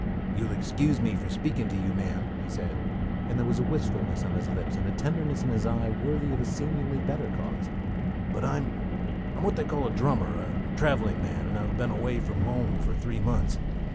"You will excuse me for speaking to you, ma'am," he said, and there was a wistful smile on his lips and a tenderness in his eye worthy of a seemingly better cause, "but I'm I'm what they call a drummer, a traveling man, and I've been away from home for three months.